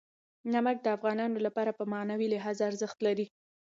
نمک د افغانانو لپاره په معنوي لحاظ ارزښت لري.